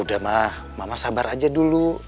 ya mama sabar aja dulu